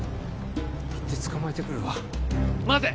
行って捕まえてくるわ待て！